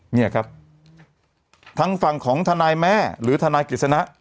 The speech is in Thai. เนี่ยครับทั้งฝั่งของทนายแม่หรือทนายกฤษณะ